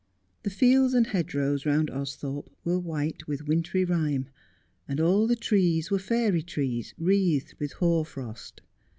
The fields and hedgerows round Austhrope were white with wintry rime, and all the trees were fairy trees wreathed with hoar frost.